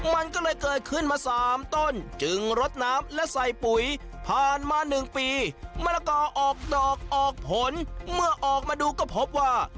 มันก็เลยเกิดขึ้นมา๓ต้นจึงรดน้ำและใส่ปุ๋ยผ่านมา๑ปีมะละกอออกดอกออกผลเมื่อออกมาดูก็พบว่า